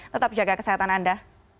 tetap jaga kesehatan anda